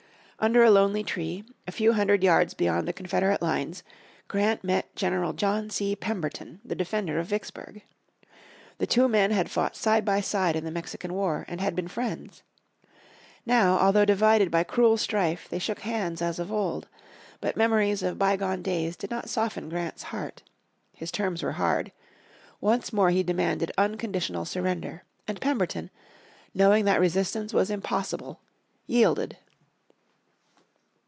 Under a lonely tree, a few hundred yards beyond the Confederate lines, Grant met General John C. Pemberton, the defender of Vicksburg. The two men had fought side by side in the Mexican War, and had been friends. Now although divided by cruel strife they shook hand as of old. But memories of bygone days did not soften Grant's heart. His terms were hard. Once more he demanded unconditional surrender. And Pemberton, knowing that resistance was impossible, yielded.